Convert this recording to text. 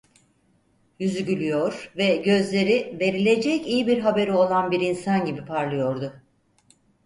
Yüzü gülüyor ve gözleri, verilecek iyi haberi olan bir insan gibi parlıyordu.